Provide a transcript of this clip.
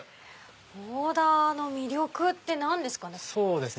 ボーダーの魅力って何ですかね？